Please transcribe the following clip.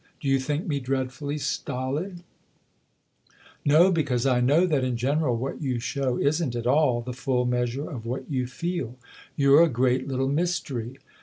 " Do }'ou think me dreadfully stolid ?"" No, because I know that, in general, what you show isn't at all the full measure of what you feel. You're a great little mystery.